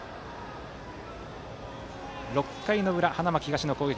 ６回の裏、花巻東の攻撃。